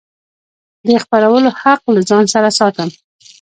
د خپرولو حق له ځان سره ساتم.